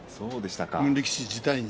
力士自体に。